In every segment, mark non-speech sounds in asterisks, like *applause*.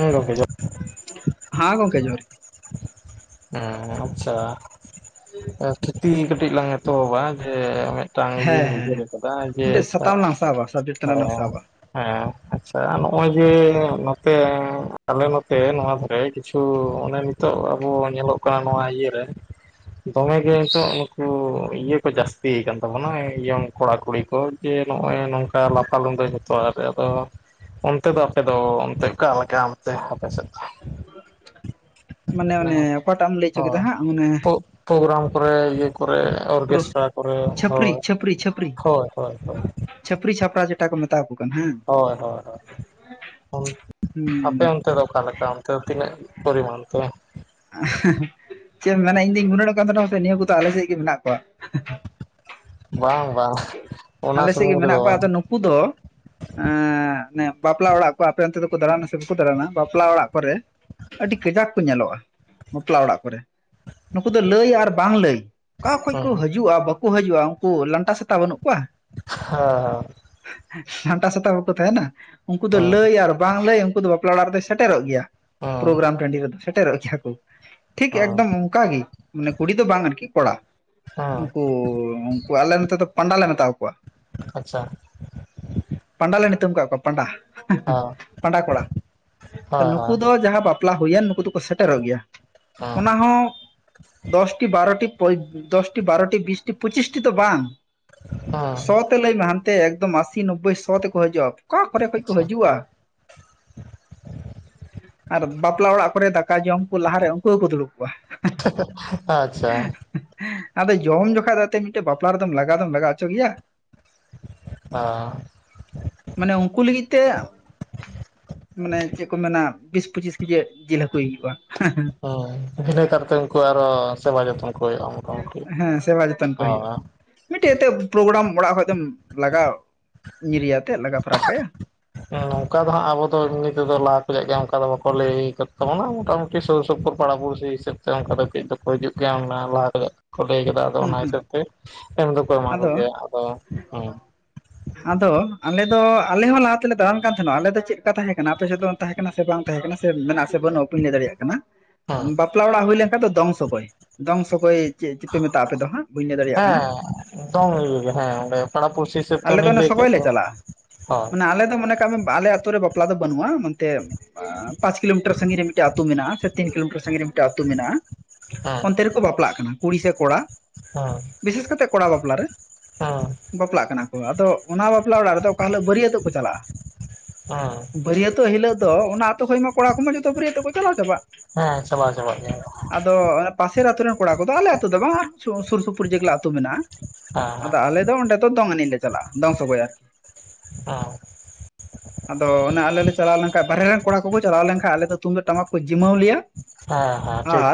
ᱦᱮ ᱜᱟᱝᱠᱮ, ᱡᱚᱸᱦᱟᱨ᱾ ᱦᱟᱸ ᱜᱚᱝᱠᱮ ᱡᱚᱸᱦᱟᱨ ᱜᱮ᱾ ᱦᱮᱸ ᱟᱪᱪᱷᱟ, ᱟ ᱛᱷᱩᱛᱤ ᱠᱟᱹᱴᱤᱡ ᱞᱟᱝ ᱛᱚ ᱵᱟᱝ ᱡᱮ ᱢᱤᱫᱴᱟᱝ ᱦᱮᱸ ᱤᱭᱟᱹᱧ ᱦᱮᱸ ᱩᱭᱦᱟᱹᱨ ᱦᱮᱸ ᱟᱠᱟᱫᱟ ᱡᱮ, ᱢᱤᱫᱴᱮᱡ ᱟᱪᱪᱷᱟ ᱥᱟᱛᱟᱢ ᱞᱟᱝ ᱥᱟᱵᱟ ᱥᱟᱵᱡᱮᱠᱴ ᱛᱟᱞᱟᱝ ᱞᱟᱝ ᱦᱮᱸ᱾ ᱥᱟᱵᱟ ᱦᱮᱸ ᱟᱪᱪᱷᱟ, ᱱᱚᱜᱼᱚᱭ ᱡᱮ ᱱᱚ ᱛᱮ ᱟᱞᱮ ᱱᱚᱛᱮ ᱱᱚᱣᱟ ᱫᱷᱟᱨᱮ, ᱚᱱᱮ ᱠᱤᱪᱷᱩ ᱚᱱᱮ ᱱᱤᱛᱚᱜ ᱟᱵᱚ ᱧᱮᱞᱚᱜ ᱠᱟᱱᱟ ᱱᱚᱣᱟ ᱤᱭᱟᱹ ᱨᱮ᱾ ᱫᱚᱢᱮ ᱜᱮ ᱱᱤᱛᱚᱜ ᱱᱩᱠᱩ ᱤᱭᱟᱹ ᱠᱚ ᱡᱟᱥᱛᱤ ᱟᱠᱟᱱ ᱛᱟᱵᱚᱱᱟ ᱤᱭᱚᱝ ᱠᱚᱲᱟ ᱠᱩᱲᱤ ᱠᱚ ᱾ ᱡᱮ ᱱᱚᱜ-ᱚᱭ ᱱᱚᱝᱠᱟ ᱞᱟᱯᱟ ᱞᱩᱰᱟᱹ ᱡᱚᱛᱚᱣᱟᱜ ᱟᱫᱚ ᱚᱱᱛᱮ ᱫᱚ ᱟᱯᱮ ᱫᱚ ᱚᱱᱛᱮ ᱚᱠᱟ ᱞᱮᱠᱟ ᱚᱱᱛᱮ ᱟᱯᱮᱥᱮᱫ ᱫᱚ? ᱢᱟᱱᱮ ᱚ ᱚᱱᱮ ᱚᱠᱟᱴᱟᱜ ᱮᱢ ᱞᱟᱹᱭ ᱦᱚᱪᱚ ᱚ ᱠᱮᱫᱟ ᱦᱟᱸᱜ ᱚᱱᱮ ᱯᱳᱜ ᱯᱳᱜᱨᱟᱢ ᱠᱚᱨᱮ ᱤᱭᱟᱹ ᱠᱚᱨᱮ ᱯᱩᱨᱟᱹ ᱚᱨᱜᱮᱥᱴᱟᱨ ᱾ ᱠᱚᱨᱮ ᱪᱷᱟᱹᱯᱨᱤ ᱦᱳᱭ, ᱪᱷᱟᱹᱯᱨᱤ ᱪᱷᱟᱹᱯᱨᱤ ᱦᱳᱭ ᱦᱳᱭ ᱦᱳᱭ ᱾ ᱪᱷᱟᱹᱯᱨᱤ ᱪᱷᱟᱯᱨᱟ ᱪᱮᱛᱟ ᱠᱚ ᱢᱮᱛᱟ ᱠᱩ ᱾ ᱦᱳᱭ ᱦᱳᱭ ᱦᱳᱭ, ᱚᱱ ᱟᱯᱮ ᱦᱩᱸ ᱚᱱᱛᱮ ᱫᱚ ᱚᱠᱟ ᱞᱮᱠᱟ? ᱛᱟᱹᱣ ᱛᱤᱱᱟᱹᱜ ᱯᱚᱨᱤᱢᱟᱱ ᱛᱮ? *unintelligible* ᱪᱮᱜ ᱮᱢ ᱢᱮᱱᱟ ᱤᱧ ᱫᱩᱧ ᱜᱩᱱᱟᱹᱱᱚᱜ ᱠᱟᱱ ᱛᱟᱦᱮᱸᱱᱟ ᱯᱟᱥᱮᱜ ᱱᱤᱭᱟᱹ ᱠᱚᱫᱚ ᱟᱞᱮ ᱥᱮᱫ ᱜᱮ ᱢᱮᱱᱟᱜ ᱠᱚᱣᱟ ᱾ ᱵᱟᱝ ᱵᱟᱝ ᱚᱱᱟ ᱥᱩᱢᱩᱝ ᱨᱮᱫᱚ ᱵᱟᱝ ᱾ ᱠᱩ ᱫᱚ ᱮᱸ ᱚᱱᱮ ᱵᱟᱯᱞᱟ ᱚᱲᱟᱜ ᱠᱚ ᱟᱯᱮ ᱚᱱᱛᱮ ᱫᱚᱠᱚ ᱫᱟᱬᱟᱱᱟ ᱥᱮ ᱵᱟᱠᱩ ᱫᱟᱬᱟᱱᱟ ᱵᱟᱯᱞᱟ ᱚᱲᱟᱜ ᱠᱚᱨᱮ ᱟᱹᱰᱤ ᱠᱟᱡᱟᱠ ᱠᱚ ᱧᱮᱞᱚᱜ-ᱟ ᱾ ᱵᱟᱯᱞᱟ ᱚᱲᱟᱜ ᱠᱚᱨᱮ, ᱱᱩᱠᱩ ᱫᱚ ᱞᱟᱹᱭ ᱟᱨ ᱵᱟᱝ ᱞᱟᱹᱭ ᱚᱠᱟ ᱠᱷᱚᱡ ᱦᱩᱸ ᱠᱚ ᱦᱟᱹᱡᱩᱜ-ᱟ ᱵᱟᱠ ᱠᱚ ᱦᱟᱹᱡᱩᱜ-ᱟ, ᱩᱸᱠᱩ ᱞᱟᱱᱴᱟ ᱥᱮᱛᱟ ᱵᱟᱹᱱᱩᱜ ᱠᱚᱣᱟ ᱦᱚ ᱦᱚᱸ᱾ ᱞᱟᱱᱴᱟ ᱥᱮᱛᱟ ᱵᱟᱹᱠᱩ ᱛᱟᱦᱮᱸᱱᱟ, ᱩᱝᱠᱩ ᱫᱚ ᱦᱮᱸ ᱞᱟᱹᱭ ᱟᱨ ᱵᱟᱝ ᱞᱟᱹᱭ ᱩᱝᱠᱩ ᱫᱚ ᱵᱟ ᱟᱞᱮ ᱚᱲᱟᱜ ᱨᱮᱫᱚᱭ ᱥᱮᱴᱮᱨᱚᱜ ᱜᱮᱭᱟ ᱦᱮᱸ ᱯᱨᱳᱜᱮᱨᱟᱢ ᱴᱟᱺᱰᱤ ᱨᱮᱫᱚ ᱥᱮᱴᱮᱨᱚᱜ ᱜᱮᱭᱟ ᱠᱚ, ᱴᱷᱤᱠ ᱦᱮᱸ ᱮᱠᱫᱚᱢ ᱠᱟ ᱜᱤ ᱢᱟᱱᱮ ᱠᱩᱲᱤ ᱫᱚ ᱵᱟᱝ ᱟᱨᱠᱤ ᱠᱚᱲᱟ ᱦᱮᱸ ᱩᱝᱠᱩ ᱠᱚ ᱟᱞᱮ ᱱᱚᱛᱮ ᱫᱚ ᱯᱟᱸᱰᱟ ᱞᱮ ᱢᱮᱛᱟ ᱣᱟᱠᱚᱣᱟ ᱾ ᱟᱪᱪᱷᱟ ᱾ ᱯᱟᱸᱰᱟ ᱞᱮ ᱱᱤᱛᱩᱢ ᱠᱟᱜ ᱯᱟᱸᱰᱟ, ᱦᱮᱸ ᱯᱟᱸᱰᱟ ᱠᱚᱲᱟ ᱾ ᱦᱳᱭ ᱱᱩᱠᱩ ᱦᱳᱭ ᱫᱚ ᱡᱟᱦᱟᱸ ᱵᱟᱯᱞᱟ ᱦᱩᱭᱮᱱ ᱱᱩᱠᱩ ᱫᱚᱠᱚ ᱥᱮᱴᱮᱨᱚᱜ ᱜᱮᱭᱟ ᱾ ᱦᱮᱸ ᱚᱱᱟ ᱦᱚᱸ ᱫᱚᱥ ᱴᱤ, ᱵᱟᱨᱚ ᱴᱤ, ᱯᱚᱡᱽ, ᱫᱚᱥ ᱴᱤ ᱵᱟᱨᱚ ᱴᱤ ᱵᱤᱥ ᱴᱤ ᱯᱚᱸᱪᱤᱥ ᱴᱤ ᱛᱚ ᱵᱟᱝ ᱦᱚᱸ ᱥᱚ ᱾ ᱛᱮ ᱞᱟᱹᱭ ᱢᱮ ᱦᱟᱱᱛᱮ ᱮᱠᱫᱚᱢ ᱟᱹᱥᱥᱤ, ᱱᱳᱵᱵᱳᱭ, ᱥᱚ ᱛᱮᱠᱚ ᱦᱟᱹᱡᱩᱜ-ᱟ, ᱚᱠᱟ ᱠᱚᱨᱮ ᱠᱷᱚᱡ ᱠᱚ ᱟᱪᱪᱷᱟ ᱦᱟᱹᱡᱩᱜ-ᱟ ᱾ ᱟᱨ ᱵᱟᱯᱞᱟ ᱚᱲᱟᱜ ᱠᱚᱨᱮ ᱫᱟᱠᱟ ᱡᱚᱢ, ᱠᱩ ᱞᱟᱦᱟᱨᱮ ᱩᱝᱠᱩ ᱜᱮᱠᱚ ᱫᱩᱲᱩᱵ ᱠᱚᱣᱟ ᱾ *unintelligible* ᱟᱪᱪᱷᱟ ᱾ *unintelligible* ᱟᱫᱚ ᱡᱚᱢ ᱡᱚᱠᱷᱟᱡ ᱫᱚ ᱟᱛᱮ ᱢᱤᱫᱴᱮᱡ ᱵᱟᱯᱞᱟ ᱨᱮᱫᱚᱢ ᱞᱟᱜᱟ ᱫᱚᱢ ᱞᱟᱜᱟ ᱚᱪᱚ ᱜᱮᱭᱟ? ᱚ ᱾ ᱢᱟᱱᱮ ᱩᱝᱠᱩ ᱞᱟᱹᱜᱤᱫ ᱛᱮ ᱢᱟᱱᱮ ᱪᱮᱜ ᱠᱚ ᱢᱮᱱᱟ ᱵᱤᱥ ᱯᱩᱪᱤᱥ ᱠᱤᱡᱤᱭᱮᱫ ᱡᱤᱞ ᱦᱟᱹᱠᱩᱭ ᱦᱩᱭᱩᱜ-ᱟ ᱾ ᱚ ᱵᱤᱱᱟᱹ ᱠᱟᱨᱛᱮ ᱩᱝᱠᱩ ᱟᱨᱚ ᱥᱮᱵᱟ ᱡᱚᱛᱚᱱ ᱾ ᱦᱮᱸ ᱥᱮᱣᱟ ᱡᱚᱛᱚᱱ ᱠᱚ ᱦᱩᱭᱩᱜ-ᱟ ᱦᱳᱭ ᱾ ᱢᱤᱫᱴᱮᱡ ᱟᱛᱮᱫ ᱯᱨᱳᱜᱲᱟᱢ ᱚᱲᱟᱜ ᱠᱷᱚᱡ ᱫᱚᱢ ᱞᱟᱜᱟᱻᱣ ᱧᱤᱨᱮᱭᱟᱛᱮᱫ ᱞᱟᱜᱟ ᱯᱷᱟᱨᱟᱠ ᱠᱟᱭᱟ ᱾ ᱦᱮᱸ ᱚᱝᱠᱟ ᱫᱚ ᱦᱟᱸᱜ ᱟᱵᱚ ᱫᱚ ᱮᱢᱱᱤ ᱛᱮᱫᱚ ᱞᱟᱦᱟ ᱠᱷᱚᱡᱟᱜ ᱜᱮ ᱚᱝᱠᱟ ᱫᱚ ᱵᱟᱠᱚ ᱞᱟᱹᱭ ᱠᱟᱫ ᱛᱟᱵᱚᱱᱟ ᱢᱚᱴᱟ ᱢᱩ- ᱠᱤ ᱥᱩᱨ ᱥᱩᱯᱩᱨ ᱯᱟᱲᱟ ᱯᱩᱲᱥᱤ ᱦᱤᱥᱟᱹᱵᱽ ᱛᱮ ᱚᱝᱠᱟ ᱫᱚ ᱠᱟᱹᱡ ᱫᱚᱠᱚ ᱦᱤᱡᱩᱜ ᱜᱮᱭᱟ ᱚᱱᱟ ᱞᱟᱦᱟ ᱠᱷᱚᱡᱟᱜ᱾ ᱠᱚ ᱞᱟᱹᱭ ᱟᱠᱟᱫᱟ ᱟᱫᱚ ᱦᱩᱸ ᱚᱱᱟ ᱦᱩᱸ ᱦᱤᱥᱟᱹᱵ ᱛᱮ, ᱮᱢ ᱫᱚᱠᱚ ᱮᱢᱟ ᱟᱫᱚ ᱠᱚᱜᱮᱭᱟ ᱟᱫᱚ, ᱦᱩᱸ᱾ ᱟᱫᱚ ᱟᱞᱮ ᱫᱚ ᱟᱞᱮ ᱦᱚᱸ ᱞᱟᱦᱟ ᱛᱮᱞᱮ ᱫᱟᱬᱟᱱ ᱠᱟᱱ ᱛᱟᱦᱮᱸᱱᱚᱜ ᱟᱞᱮ ᱫᱚ ᱪᱮᱫ ᱞᱮᱠᱟ ᱛᱟᱦᱮᱸ ᱠᱟᱱᱟ, ᱟᱯᱮᱥᱮᱫ ᱫᱚ ᱛᱟᱦᱮᱸ ᱠᱟᱱᱟ ᱥᱮ ᱪᱮ ᱵᱟᱝ ᱛᱟᱦᱮᱸ ᱠᱟᱱᱟ ᱥᱮ ᱢᱮᱱᱟᱜ ᱥᱮ ᱵᱟᱹᱱᱩᱜᱼᱟ, ᱵᱟᱹᱧ ᱞᱟᱹᱭ ᱫᱟᱲᱮᱭᱟᱜ ᱠᱟᱱᱟ, ᱦᱮᱸ ᱚᱝ ᱵᱟᱯᱞᱟ ᱚᱲᱟᱜ ᱦᱩᱭ ᱞᱮᱱᱠᱷᱟᱱ ᱫᱚ ᱫᱚᱝ ᱥᱚᱜᱚᱭ, ᱫᱚᱝ ᱥᱚᱜᱚᱭ, ᱪᱮᱫ ᱪᱚᱯᱮ ᱢᱮᱛᱟᱜᱼᱟ ᱟᱯᱮ ᱫᱚ ᱦᱟᱸᱜ ᱵᱟᱹᱧ ᱞᱟᱹᱭ ᱫᱟᱲᱮᱭᱟᱜ ᱠᱟᱱᱟ ᱦᱮᱸ ᱫᱚᱝ ᱤᱭᱟᱹ ᱦᱮᱸ, ᱚᱱᱰᱮ ᱯᱟᱲᱟ ᱯᱩᱲᱥᱤ ᱦᱤᱥᱟᱹᱵ ᱛᱮ ᱟᱞᱮ ᱫᱚ ᱩᱱᱤᱧ ᱚᱱᱮ ᱞᱟᱹᱭ ᱠᱮᱫ ᱥᱚᱜᱚᱭ ᱞᱮ ᱫᱚ ᱪᱟᱞᱟᱜ-ᱟ, ᱦᱳᱭ ᱢᱟᱱᱮ ᱟᱞᱮ ᱫᱚ ᱢᱚᱱᱮ ᱠᱟᱜ ᱵᱤᱱ ᱟᱞᱮ ᱟᱹᱛ ᱛᱩ ᱨᱮ ᱵᱟᱯᱞᱟ ᱫᱚ ᱵᱟᱹᱱᱩᱜ-ᱟ, ᱚᱱᱛᱮ ᱟᱸ ᱯᱟᱸᱪ ᱠᱤᱞᱳᱢᱤᱴᱟᱹᱨ ᱥᱟᱺᱜᱤᱧ ᱨᱮ ᱢᱤᱫᱴᱟᱹᱜ ᱟᱹᱛᱩ ᱢᱮᱱᱟᱜ-ᱟ, ᱥᱮ ᱛᱤᱱ ᱠᱤᱞᱳᱢᱤᱴᱟᱨ ᱥᱟᱺᱜᱤᱧ ᱨᱮ ᱴᱟᱹᱜ ᱟᱹᱛᱩ ᱢᱮᱱᱟᱜ-ᱟ, ᱦᱮᱸ ᱚᱱᱛᱮ ᱨᱮᱠᱚ ᱵᱟᱯᱞᱟᱜ ᱠᱟᱱᱟ ᱠᱩᱲᱤ ᱥᱮᱵ ᱠᱚᱲᱟ, ᱦᱮᱸ ᱵᱤᱥᱮᱥ ᱠᱟᱛᱮ ᱠᱚᱲᱟ ᱵᱟᱯᱞᱟ ᱨᱮ ᱦᱮᱸ ᱵᱟᱯᱞᱟᱜ ᱠᱟᱱᱟ, ᱠᱚ, ᱟᱫᱚ ᱚᱱᱟ ᱵᱟᱯᱞᱟ ᱚᱲᱟᱜ ᱨᱮᱫᱚ ᱚᱠᱟ ᱦᱤᱞᱟᱹᱜ ᱵᱟᱹᱨᱤᱭᱟᱹᱛᱚᱜ ᱠᱚ ᱪᱟᱞᱟᱜᱼᱟ, ᱦᱮᱸ ᱵᱟᱹᱨᱤᱭᱟᱹᱛᱚᱜ ᱦᱤᱞᱟᱹᱜ ᱫᱚ ᱚᱱᱟ ᱟᱛᱳ ᱠᱷᱚᱡ ᱢᱟ ᱠᱚᱲᱟ ᱠᱚᱢᱟ ᱡᱚᱛᱚ ᱵᱟᱹᱨᱤᱭᱟᱹᱛᱚᱜ ᱠᱚ ᱪᱟᱞᱟᱣ ᱪᱟᱵᱟᱜ, ᱦᱮᱸ ᱪᱟᱵᱟᱣ ᱪᱟᱵᱟᱜ ᱜᱮᱭᱟ ᱠᱚ ᱾ ᱟᱫᱚ ᱚᱱᱟ ᱯᱟᱥᱮᱨ ᱟᱛᱳ ᱨᱮᱱ ᱠᱚᱲᱟ ᱠᱚᱫᱚ ᱟᱞᱮ ᱟᱛᱳ ᱫᱚ ᱵᱟᱝ-ᱟ, ᱟᱨ ᱥᱳᱨ ᱥᱩᱯᱩᱨ ᱡᱮᱜᱮ ᱞᱟᱹ ᱟᱛᱳ ᱢᱮᱱᱟᱜᱼᱟ, ᱦᱮᱸ ᱟᱫᱚ ᱟᱞᱮ ᱫᱚ ᱚᱸᱰᱮ ᱫᱚ ᱫᱚᱝ ᱮᱱᱮᱡ ᱞᱮ ᱪᱟᱞᱟᱜᱼᱟ, ᱫᱚᱝ ᱥᱚᱜᱚᱭ ᱟᱨᱠᱤ᱾ ᱦᱚᱸ᱾ ᱟᱫᱚ ᱮᱱᱟ ᱟᱞᱮ ᱞᱮ ᱪᱟᱞᱟᱣ ᱞᱮᱱᱷᱟᱡ ᱵᱟᱨᱦᱮ ᱨᱮᱱ ᱠᱚᱲᱟ ᱠᱚᱠᱚ ᱪᱟᱞᱟᱣ ᱞᱮᱱᱠᱷᱟᱱ ᱟᱞᱮ ᱫᱚ ᱛᱩᱢᱫᱟᱜ ᱴᱟᱢᱟᱠ ᱠᱚ ᱡᱤᱢᱟᱹᱣ ᱞᱮᱭᱟ᱾ ᱦᱮᱸ ᱦᱮᱸ ᱴᱷᱤᱠ᱾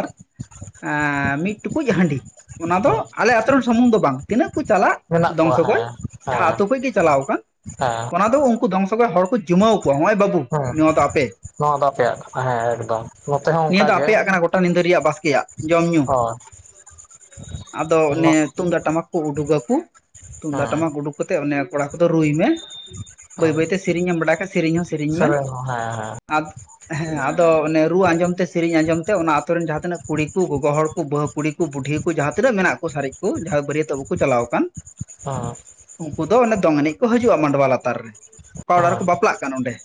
ᱟᱸ ᱢᱤᱫ ᱴᱩᱠᱩᱡ ᱦᱟᱺᱰᱤ᱾ ᱚᱱᱟ ᱫᱚ ᱦᱮᱸ ᱟᱞᱮ ᱟᱛᱳ ᱨᱮᱱ ᱥᱩᱢᱩᱝ ᱫᱚ ᱵᱟᱝ᱾ ᱛᱤᱱᱟᱹᱜ ᱠᱚ ᱪᱟᱞᱟᱜ ᱢᱮᱱᱟᱜ ᱫᱚᱝ ᱠᱚᱣᱟ ᱦᱮᱸ ᱥᱚᱜᱚᱭ, ᱡᱟᱦᱟᱸ ᱦᱮᱸ ᱟᱛᱳ ᱠᱷᱚᱱ ᱜᱮ ᱪᱟᱞᱟᱣ ᱠᱟᱱ ᱦᱮᱸ ᱚᱱᱟ ᱫᱚ ᱩᱱ ᱠᱩ ᱫᱚ ᱫᱚᱝ ᱥᱚᱜᱚᱭ ᱦᱚᱲ ᱠᱚ ᱡᱩᱢᱟᱹᱣ ᱠᱚᱣᱟ ᱱᱚᱜᱼᱚᱭ ᱵᱟᱹᱵᱩ᱾ ᱦᱮᱸ ᱱᱚᱣᱟ ᱫᱚ ᱟᱯᱮ ᱱᱚᱣᱟ ᱫᱚ ᱟᱯᱮᱭᱟᱜ᱾ ᱦᱮᱸ ᱮᱠᱫᱚᱢ ᱱᱚᱛᱮ ᱦᱚᱸ ᱚᱱᱠᱟ ᱜᱮ᱾ ᱴᱟ ᱧᱤᱫᱟᱹ ᱨᱮᱭᱟᱜᱟᱜ ᱵᱟᱥᱠᱮᱭᱟᱜ ᱡᱚᱢ ᱧᱩ᱾ ᱦᱳᱭ ᱟᱫᱚ ᱚᱞᱚᱜ ᱚᱱᱮ ᱛᱩᱢᱫᱟᱜ ᱴᱟᱢᱟᱠ ᱠᱚ ᱩᱰᱩᱜᱟᱠᱚ ᱛᱩᱢᱫᱟᱜ ᱦᱮᱸ ᱴᱟᱢᱟᱠ ᱩᱰᱩᱠ ᱠᱟᱛᱮᱜ ᱚᱱᱮ ᱠᱚᱲᱟ ᱠᱚᱫᱚ ᱨᱩᱭ ᱢᱮ᱾ ᱵᱟᱹᱭ ᱦᱮᱸ ᱵᱟᱹᱭᱛᱮ ᱥᱮᱨᱮᱧᱮᱢ ᱵᱟᱲᱟᱭ ᱠᱷᱟᱡ ᱥᱮᱨᱮᱧ ᱦᱚᱸ ᱥᱮᱨᱮᱧ ᱢᱮ᱾ ᱦᱚᱸ ᱦᱮᱸ ᱦᱮᱸ ᱟᱫ ᱦᱮᱸ ᱟᱫᱚ ᱚᱱᱮ ᱨᱩ ᱟᱸᱡᱚᱢ ᱛᱮ, ᱥᱮᱨᱮᱧ ᱟᱸᱡᱚᱢ ᱛᱮ ᱚᱱᱟ ᱟᱛᱳ ᱨᱮᱱ ᱡᱟᱦᱟᱸ ᱛᱤᱱᱟᱹᱜ ᱠᱩᱲᱤ ᱠᱚ ᱜᱚᱜᱚ ᱦᱚᱲ ᱠᱚ ᱵᱟᱹᱦᱩ ᱠᱩᱲᱤ ᱠᱚ ᱵᱩᱰᱷᱤ ᱠᱚ ᱡᱟᱦᱟᱸ ᱛᱤᱱᱟᱹᱜ ᱢᱮᱱᱟᱜ ᱠᱚ ᱥᱟᱨᱮᱡ ᱠᱚ ᱡᱟᱦᱟᱸ ᱵᱟᱹᱨᱤᱭᱟᱹᱛᱚᱜ ᱵᱟᱠᱚ ᱪᱟᱞᱟᱣ ᱠᱟᱱ᱾ ᱦᱚᱸ᱾ ᱩᱱᱠᱩ ᱫᱚ ᱚᱱᱮ ᱫᱚᱝ ᱮᱱᱮᱡ ᱠᱚ ᱦᱟᱹᱡᱩᱜᱼᱟ ᱢᱟᱰᱚᱣᱟ ᱞᱟᱛᱟᱨ ᱨᱮ, ᱚᱠᱟ ᱚᱲᱟᱜ ᱨᱮ ᱦᱮᱸ ᱵᱟᱯᱞᱟᱜ ᱠᱟᱱ ᱚᱸᱰᱮ ᱾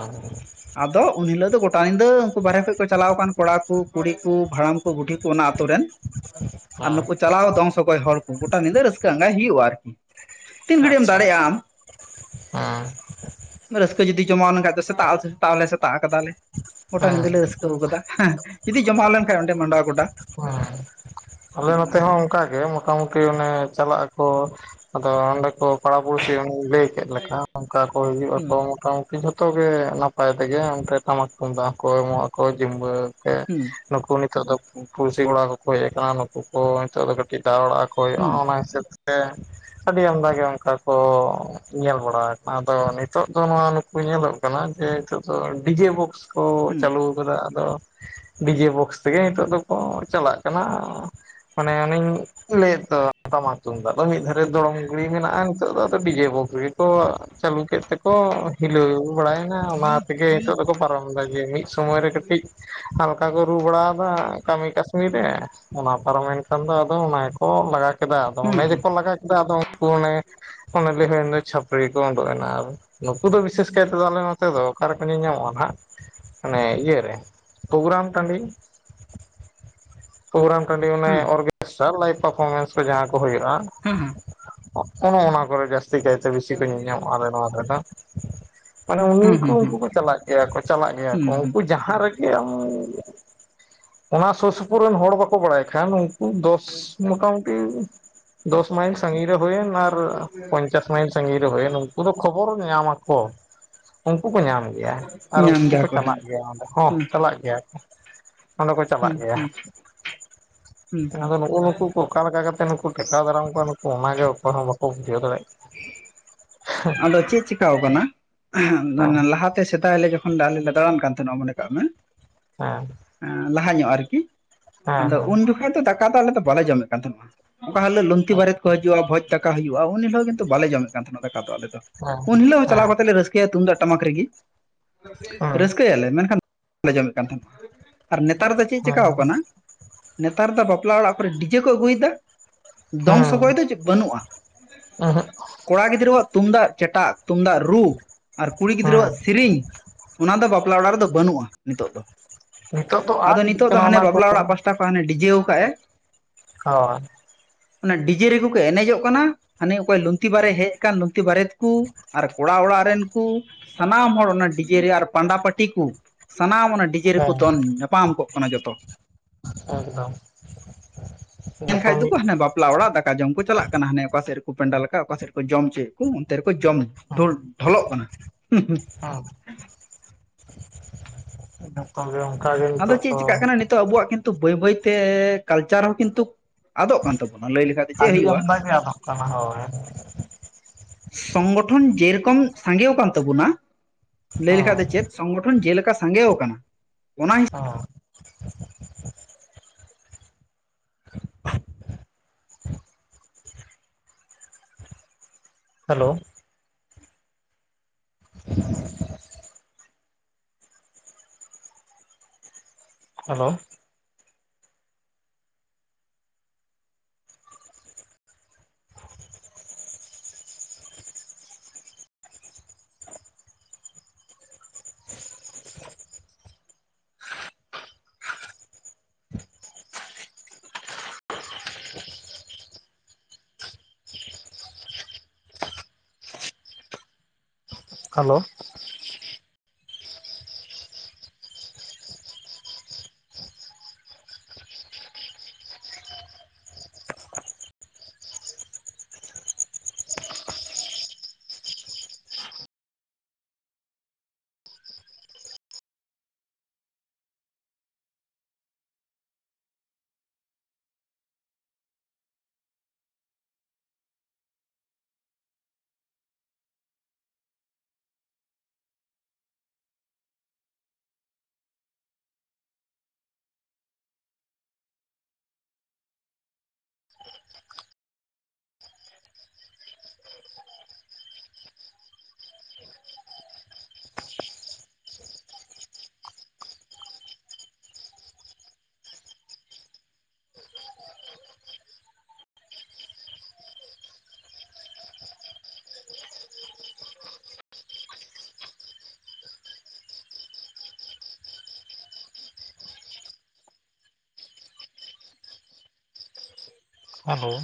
*unintelligible* ᱟᱫᱚ ᱩᱱ ᱦᱤᱞᱟᱹᱜ ᱫᱚ ᱜᱚᱴᱟ ᱧᱤᱫᱟᱹ ᱩᱱᱠᱩ ᱵᱟᱨᱦᱮ ᱠᱷᱟᱡ ᱠᱚ ᱪᱟᱞᱟᱣ ᱠᱟᱱ ᱠᱚᱲᱟ ᱠᱚ ᱠᱩᱲᱤ ᱠᱚ ᱦᱟᱲᱟᱢ ᱠᱚ ᱵᱩᱰᱷᱤ ᱠᱚ ᱚᱱᱟ ᱟᱛᱳ ᱨᱮᱱ ᱟᱨ ᱦᱮᱸ ᱱᱩᱠᱩ ᱪᱟᱞᱟᱣ ᱫᱚᱝ ᱥᱚᱜᱚᱭ ᱦᱚᱲ ᱠᱚ ᱜᱚᱴᱟ ᱧᱤᱫᱟᱹ ᱨᱟᱹᱥᱠᱟᱹ ᱟᱸᱜᱟᱭ ᱦᱩᱭᱩᱜᱼᱟ ᱟᱨᱠᱤ᱾ ᱛᱤᱱ ᱜᱷᱟᱹᱲᱤᱡ ᱮᱢ ᱟᱪᱪᱷᱟ ᱫᱟᱲᱮᱜ-ᱟ ᱟᱢ᱾ ᱦᱮᱸ᱾ ᱨᱟᱹᱥᱠᱟᱹ ᱡᱩᱫᱤ ᱡᱚᱢᱟᱣ ᱞᱮᱱᱠᱷᱟᱡ ᱫᱚ ᱥᱮᱛᱟᱜ ᱦᱚ ᱥᱮᱛᱟᱜ ᱦᱚᱞᱮ ᱥᱮᱛᱟᱜ ᱟᱠᱟᱫᱟᱞᱮ᱾ ᱜᱚᱴᱟ ᱧᱤᱫᱟᱹ ᱦᱮᱸ ᱞᱮ ᱨᱟᱹᱥᱠᱟᱹᱣ ᱠᱟᱫᱟ ᱦᱮᱸ ᱡᱩᱫᱤ ᱡᱚᱢᱟᱣ ᱞᱮᱱ ᱠᱷᱟᱱᱡ ᱚᱸᱰᱮ ᱢᱟᱰᱚᱣᱟ ᱜᱚᱰᱟ᱾ ᱦᱮᱸ᱾ ᱟᱞᱮ ᱱᱚᱛᱮ ᱦᱚᱸ ᱚᱱᱠᱟ ᱜᱮ ᱢᱚᱴᱟ ᱢᱩᱴ ᱠᱤ ᱚᱱᱮ ᱪᱟᱞᱟᱜ ᱟᱠᱚ ᱟᱫᱚ ᱚᱸᱰᱮ ᱠᱚ ᱯᱟᱲᱟ ᱯᱩᱲᱥᱤ ᱞᱟᱹᱭ ᱠᱮᱫ ᱞᱮᱠᱟ ᱚᱱᱠᱟ ᱠᱚ ᱦᱤᱡᱩᱜ ᱦᱩᱸ ᱟᱠᱚ ᱢᱚᱴ ᱢᱩᱴᱤ ᱠᱤ ᱡᱷᱚᱛᱚ ᱜᱮ ᱱᱟᱯᱟᱭ ᱛᱮᱜᱮ ᱚᱱᱛᱮ ᱴᱟᱢᱟᱠ ᱛᱩᱢᱫᱟᱜ ᱦᱚᱸᱠᱚ ᱮᱢᱚᱜ ᱟᱠᱚ ᱡᱤᱢᱵᱟᱹᱣ ᱛᱮ᱾ ᱦᱩᱸ ᱱᱩᱠᱩ ᱱᱤᱛᱟᱹᱜ ᱫᱚ ᱯᱩᱲᱥᱤ ᱠᱚᱲᱟ ᱠᱚᱠᱚ ᱦᱮᱡ ᱠᱟᱱᱟ ᱱᱩᱠᱩ ᱠᱚ ᱱᱤᱛᱟᱹᱜ ᱫᱚ ᱠᱟᱹᱴᱤᱡ ᱫᱟᱣ ᱟᱲᱟᱜ ᱟᱠᱚ ᱦᱳᱭ ᱚᱱ ᱦᱩᱸ ᱚᱱᱟ ᱦᱤᱥᱟᱹᱵ ᱛᱮ᱾ ᱟᱹᱰᱤ ᱟᱢᱫᱟᱜᱮ ᱚᱱᱠᱟ ᱠᱚ ᱧᱮᱞ ᱵᱟᱲᱟ ᱠᱟᱱᱟ ᱟᱫᱚ ᱱᱤᱛᱟᱹᱜ ᱫᱚ ᱱᱚᱣᱟ ᱱᱩᱠ ᱠᱚ ᱧᱮᱞᱚᱜ ᱠᱟᱱᱟ ᱡᱮ ᱱᱤᱛᱟᱹᱜ ᱫᱚ ᱰᱤᱡᱮ ᱵᱚᱠᱥ ᱠᱚ ᱦᱩᱸ ᱪᱟᱹᱞᱩᱣ ᱠᱟᱫᱟ ᱟᱫᱚ ᱰᱤᱡᱮ ᱵᱚᱠᱥ ᱛᱮᱜᱮ ᱱᱤᱛᱟᱹᱜ ᱫᱚᱠᱚ ᱪᱟᱞᱟᱜ ᱠᱟᱱᱟ᱾ ᱢᱟᱱᱮ ᱚᱱᱮᱧ ᱞᱟᱹᱭᱮᱫ ᱫᱚ ᱴᱟᱢᱟᱠ ᱛᱩᱢᱫᱟᱜ ᱫᱚ ᱢᱤᱫ ᱫᱷᱟᱨᱮ ᱫᱚᱲᱚᱢ ᱜᱩᱰᱤ ᱢᱮᱱᱟᱜᱼᱟᱱ᱾ ᱱᱤᱛᱟᱹᱜ ᱫᱚ ᱟᱫᱚ ᱰᱤᱡᱮ ᱵᱚᱠᱥ ᱜᱮᱠᱚ ᱪᱟᱹᱞᱩ ᱠᱮᱫ ᱛᱮᱠᱚ ᱦᱤᱞᱟᱹᱣ ᱵᱟᱲᱟᱭᱱᱟᱭᱮᱱᱟ ᱚᱱᱟ ᱛᱮᱜᱮ ᱱᱤᱛᱟᱹᱜ ᱫᱚᱠᱚ ᱯᱟᱨᱚᱢ ᱫᱟ ᱡᱮ ᱢᱤᱫ ᱥᱳᱢᱚᱭ ᱨᱮ ᱠᱟᱹᱴᱤᱡ ᱦᱟᱞᱠᱟ ᱠᱚ ᱨᱩ ᱵᱟᱲᱟᱣᱟᱫᱟ ᱠᱟᱹᱢᱤ ᱠᱟᱹᱥᱱᱤ ᱨᱮ ᱚᱱᱟ ᱯᱟᱨᱚᱢᱮᱱ ᱠᱷᱟᱱ ᱫᱚ ᱟᱫᱚ ᱚᱱᱟ ᱜᱮᱠᱚ ᱞᱟᱜᱟ ᱠᱮᱫᱟ᱾ ᱟᱫᱚ ᱦᱩᱸ ᱚᱱᱮ ᱡᱮᱠᱚ ᱦᱩᱸ ᱞᱟᱜᱟ ᱠᱮᱫᱟ ᱟᱫᱚ ᱩᱱᱠᱩ ᱚᱱᱮ ᱚᱱᱮ ᱞᱟᱹᱭ ᱦᱩᱭᱮᱱ ᱫᱚ ᱪᱷᱟᱹᱯᱨᱤ ᱠᱚ ᱩᱰᱩᱜ ᱮᱱᱟ ᱟᱨ᱾ ᱱᱩᱠᱩ ᱫᱚ ᱵᱤᱥᱮᱥ ᱠᱟᱭᱛᱮᱫᱚ ᱟᱞᱮ ᱱᱚᱛᱮ ᱫᱚ ᱚᱠᱟᱨᱮᱠᱚ ᱧᱮᱧᱟᱢᱚᱜᱼᱟ ᱱᱟᱸᱦᱟᱜ᱾ ᱚᱱᱮ ᱤᱭᱟᱹᱨᱮ ᱯᱨᱳᱜᱨᱟᱢ ᱴᱟᱺᱰᱤ᱾ ᱯᱨᱳᱜᱨᱟᱢ ᱴᱟᱺᱰᱤ ᱚᱱᱮ ᱚᱨᱜᱮᱥᱴᱟᱨ ᱞᱟᱭᱤᱵᱷ ᱯᱟᱨᱯᱷᱚᱨᱢᱮᱱᱥ ᱡᱟᱦᱟᱸ ᱠᱚ ᱦᱩᱭᱩᱜᱼᱟ᱾ ᱦᱩᱸ ᱚᱱᱮ ᱚᱱᱟ ᱠᱚᱨᱮ ᱡᱟᱹᱥᱛᱤ ᱠᱟᱭᱛᱮ ᱵᱮᱥᱤ ᱠᱚ ᱧᱮᱞᱧᱟᱢᱚᱜᱼᱟ ᱟᱞᱮ ᱱᱚᱣᱟ ᱫᱷᱟᱨᱮ ᱫᱚ᱾ ᱢᱟᱱᱮ ᱦᱩᱸ ᱦᱩᱸ ᱩᱱᱤᱝᱠᱩ ᱦᱩᱸ ᱩᱱᱠᱩ ᱠᱚ ᱪᱟᱞᱟᱜ ᱜᱮᱭᱟ ᱠᱚ, ᱪᱟᱞᱟᱜ ᱜᱮᱭᱟ ᱦᱩᱸ ᱠᱚ ᱦᱩᱸ ᱦᱩᱸ ᱩᱱᱠᱩ ᱡᱟᱦᱟᱸ ᱨᱮᱜᱮ ᱟᱢ ᱚᱱᱟ ᱥᱩᱨ ᱥᱩᱯᱩᱨ ᱨᱮᱱ ᱦᱚᱲ ᱵᱟᱠᱚ ᱵᱟᱲᱟᱭ ᱠᱷᱟᱱ ᱩᱱ ᱫᱚᱥ ᱢᱚᱴᱟ ᱢᱩᱴᱤ ᱫᱚᱥ ᱢᱟᱭᱤᱞ ᱥᱟᱜᱤᱧ ᱨᱮ ᱦᱩᱭᱮᱱ ᱟᱨ ᱯᱚᱧᱪᱟᱥ ᱢᱟᱭᱤᱞ ᱥᱟᱺᱜᱤᱧ ᱨᱮ ᱦᱩᱭᱮᱱ ᱩᱱᱠᱩ ᱫᱚ ᱠᱷᱚᱵᱚᱨ ᱧᱟᱢᱟᱠᱚ᱾ ᱩᱱᱠᱩ ᱠᱚ ᱧᱟᱢ ᱜᱮᱭᱟ ᱟᱨ ᱧᱟᱢ ᱩᱱᱠᱩ ᱠᱚ ᱜᱮᱭᱟ ᱦᱮᱸ ᱪᱟᱞᱟᱜ ᱜᱮᱭᱟ ᱚᱸᱰᱮ ᱦᱚᱸ, ᱦᱩᱸ ᱪᱟᱞᱟᱜ ᱜᱮᱭᱟ ᱠᱚ᱾ ᱚᱸᱰᱮ ᱠᱚ ᱪᱟᱞᱟᱜ ᱦᱩᱸ ᱜᱮᱭᱟ᱾ ᱦᱩᱸ ᱦᱩᱸ ᱦᱩᱸ ᱟᱫᱚ ᱱᱩᱜᱩ ᱱᱩᱠᱩ ᱠᱚ ᱚᱠᱟ ᱞᱮᱠᱟ ᱠᱟᱛᱮ ᱱᱩᱠᱩ ᱴᱮᱠᱟᱣ ᱫᱟᱨᱟᱢ ᱠᱚᱣᱟ᱾ᱱᱩᱠᱩ ᱚᱱᱟ ᱜᱮ ᱚᱠᱟᱭ ᱦᱚᱸ ᱵᱟᱠᱚ ᱵᱩᱡᱷᱟᱹᱣ ᱫᱟᱲᱮᱜ *inaudible* *unintelligible* ᱟᱫᱚ ᱪᱮᱫ ᱪᱤᱠᱟᱹᱣ ᱠᱟᱱᱟ᱾ ᱦᱮᱸ ᱞᱟᱦᱟ ᱛᱮ ᱥᱮᱫᱟᱭ ᱟᱞᱮ ᱡᱚᱠᱷᱚᱱ ᱟᱞᱮ ᱞᱮ ᱫᱟᱲᱟᱱ ᱠᱟᱱ ᱛᱟᱦᱮᱱᱟ ᱢᱚᱱᱮ ᱠᱟᱜ ᱢᱮ᱾ ᱦᱮᱸ᱾ ᱞᱟᱦᱟ ᱧᱚᱜ ᱟᱨᱠᱤ ᱦᱮᱸ ᱟᱫᱚ ᱦᱮᱸ ᱩᱱ ᱡᱚᱠᱚᱱ ᱫᱚ ᱫᱟᱠᱟ ᱫᱚ ᱟᱞᱮ ᱫᱚ ᱵᱟᱞᱮ ᱡᱚᱢᱮᱫ ᱠᱟᱱ ᱛᱟᱦᱮᱱᱟ᱾ ᱚᱠᱟ ᱦᱤᱞᱳᱜ ᱞᱩᱝᱛᱤ ᱵᱟᱨᱭᱮᱛ ᱟᱪᱪᱷᱟ ᱠᱚ ᱦᱤᱡᱩᱜ-ᱟ᱾ ᱵᱷᱚᱡᱽ ᱫᱟᱠᱟ ᱦᱩᱭᱩᱜ-ᱟ ᱩᱱ ᱦᱤᱞᱳᱜ ᱠᱤᱱᱛᱩ ᱵᱟᱞᱮ ᱡᱚᱢᱮᱫ ᱠᱟᱱ ᱛᱟᱦᱮᱱᱟ ᱫᱟᱠᱟ ᱫᱚ ᱟᱞᱮ᱾ ᱦᱮᱸ ᱩᱱ ᱦᱤᱞᱳᱜ ᱦᱚᱸ ᱪᱟᱞᱟᱣ ᱦᱮᱸ ᱠᱟᱛᱮ ᱞᱮ ᱨᱟᱹᱥᱠᱟᱹᱭ-ᱟ ᱛᱩᱢᱫᱟᱜ ᱴᱟᱢᱟᱠ ᱨᱮᱜᱮ ᱦᱮᱸ ᱨᱟᱹᱥ ᱞᱟᱹᱭ ᱟᱞᱮ ᱢᱮᱱᱠᱷᱟᱱ ᱵᱟᱞᱮ ᱡᱚᱢᱮᱫ ᱠᱟᱱ ᱛᱟᱦᱮᱱᱟ ᱾ᱟᱨ ᱱᱮᱛᱟᱨ ᱫᱚ ᱪᱮᱫ ᱪᱮᱠᱟᱣ ᱠᱟᱱᱟ ᱱᱮᱛᱟᱨ ᱫᱚ ᱵᱟᱯᱞᱟ ᱚᱲᱟᱜ ᱠᱚᱨᱮ ᱰᱤᱡᱮ ᱠᱚ ᱟᱹᱜᱩᱭ ᱫᱟ᱾ ᱦᱮᱸ ᱫᱚᱝ ᱦᱮᱸ ᱥᱚᱜᱚᱭ ᱫᱚ ᱵᱟᱹᱱᱩᱜ-ᱟ᱾ ᱩᱸᱦᱩᱜ ᱠᱚᱲᱟ ᱜᱤᱫᱽᱨᱟᱹᱣᱟᱜ ᱛᱩᱢᱫᱟᱜ ᱪᱮᱴᱟᱜ ᱛᱩᱢᱫᱟᱜ ᱨᱩ ᱟᱨ ᱠᱩᱲᱤ ᱦᱮᱸ ᱜᱤᱫᱽᱨᱟᱹᱣᱟᱜ ᱥᱤᱨᱤᱧ ᱚᱱᱟ ᱫᱚ ᱵᱟᱯ ᱵᱟᱯᱞᱟ ᱚᱲᱟᱜ ᱨᱮᱫᱚ ᱵᱟᱹᱱᱩᱜ-ᱟ ᱱᱤᱛᱳᱜ ᱱᱤᱛᱚᱜ ᱫᱚ ᱫᱚ᱾ᱟᱫᱚ ᱟᱫ ᱤᱫᱤᱜ ᱱᱤᱛᱳᱜ ᱫᱚ ᱠᱟᱱᱟ ᱦᱟᱱᱮ ᱚᱱᱟ ᱠᱚ ᱵᱟᱯᱞᱟ ᱚᱲᱟᱜ ᱯᱟᱥᱟᱴᱟ ᱦᱟᱱᱮ ᱚᱠᱚᱭ ᱰᱤᱡᱮᱣ ᱠᱟᱜ ᱮ᱾ ᱦᱚᱸ᱾ ᱚᱱᱟ ᱰᱤᱡᱮ ᱨᱮᱜᱮ ᱠᱚ ᱮᱱᱮᱡᱚᱜ ᱠᱟᱱᱟ᱾ ᱦᱟᱱᱤ ᱚᱠᱚᱭ ᱞᱩᱝᱛᱤ ᱵᱟᱨᱮ ᱦᱮᱡ ᱟᱠᱟᱱ ᱞᱩᱝᱛᱤ ᱵᱟᱨᱮᱛ ᱠᱩ ᱟᱨ ᱠᱚᱲᱟ ᱚᱲᱟᱜ ᱨᱮᱱ ᱠᱩ ᱥᱟᱱᱟᱢ ᱦᱚᱲ ᱚᱱᱟ ᱰᱤᱡᱮ ᱨᱮ ᱟᱨ ᱯᱟᱸᱰᱟ ᱯᱟᱹᱴᱤ ᱠᱩ ᱥᱟᱱᱟᱢ ᱚᱱᱟ ᱰᱤᱡᱮ ᱨᱮᱠᱚ ᱦᱮᱸ ᱫᱚᱱ ᱧᱟᱯ ᱟᱢ ᱠᱚᱜ ᱠᱟᱱᱟ ᱡᱚᱛᱚ ᱮᱠᱫᱚᱢ ᱢᱮᱱ ᱡᱚᱛᱚ ᱠᱷᱟᱡ ᱫᱚ ᱠᱚ ᱢᱤᱫ ᱦᱟᱱᱮ ᱵᱟᱯ ᱵᱟᱯᱞᱟ ᱚᱲᱟᱜ ᱫᱟᱠᱟ ᱡᱚᱢ ᱠᱚ ᱪᱟᱞᱟᱜ ᱠᱟᱱᱟ᱾ᱦᱟᱱᱮ ᱚᱠᱟ ᱥᱮᱫ ᱨᱮᱠᱚ ᱯᱮᱱᱰᱟᱞ ᱟᱠᱟᱫ ᱚᱠᱟ ᱥᱮᱫ ᱨᱮᱠᱚ ᱡᱚᱢ ᱪᱚᱭᱮᱫ᱾ ᱚᱱᱛᱮ ᱨᱮᱠᱚ ᱡᱚ, ᱡᱚᱢᱚᱜ ᱰᱷᱚᱞᱚᱜ ᱠᱟᱱᱟ᱾ *inaudible* ᱜᱮ ᱟᱫᱚ ᱱᱤᱛᱚᱜ ᱪᱮᱫ ᱫᱚ ᱪᱤᱠᱟᱹᱜ ᱠᱟᱱᱟ ᱱᱤᱛᱳᱜ ᱟᱵᱚᱣᱟᱜ ᱠᱤᱱᱛᱩ ᱵᱟᱹᱭ ᱵᱟᱹᱭᱛᱮ ᱠᱟᱞᱪᱟᱨ ᱦᱚᱸ, ᱠᱤᱱᱛᱩ ᱟᱫᱚᱜ ᱠᱟᱱ ᱛᱟᱵᱚᱱᱟ ᱞᱟᱹᱭ ᱞᱮᱠᱷᱟᱡ ᱫᱚ ᱪᱮᱫ ᱟᱹᱰᱤ ᱦᱩᱭᱩᱜ-ᱟ᱾ ᱟᱢᱫᱟ ᱜᱮ ᱟᱫᱚᱜ ᱠᱟᱱᱟ ᱦᱳᱭ᱾ ᱥᱚᱝᱜᱚᱴᱷᱚᱱ ᱡᱮᱨᱚᱠᱚᱢ ᱥᱟᱸᱜᱮ ᱟᱠᱟᱱ ᱛᱟᱵᱚᱱᱟ ᱞᱟᱹᱭ ᱞᱮᱠᱷᱟᱡ ᱫᱚ ᱦᱮᱸ ᱪᱮᱫ ᱥᱚᱝᱜᱚᱴᱷᱚᱱ ᱡᱮ ᱞᱮᱠᱟ ᱥᱟᱸᱜᱮᱣ ᱠᱟᱱᱟ᱾ ᱚᱱᱟ ᱚ *inaudible* ᱦᱮᱞᱳ *inaudible* ᱦᱮᱞᱳ ᱦᱮᱞᱳ ᱦᱮᱞᱳ